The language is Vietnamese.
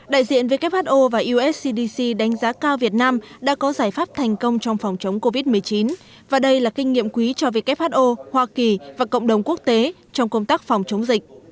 đại diện who và us cdc đánh giá cao việt nam đã có giải pháp thành công trong phòng chống covid một mươi chín và đây là kinh nghiệm quý cho who hoa kỳ và cộng đồng quốc tế trong công tác phòng chống dịch